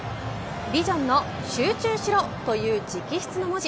ビジョンの、集中しろという直筆の文字。